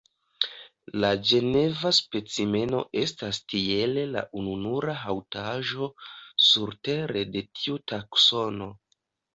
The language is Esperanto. La ĝeneva specimeno estas tiele la ununura haŭtaĵo surtere de tiu taksono.